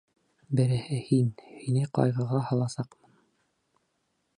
Береһе -һин, һине ҡайғыға һаласаҡмын.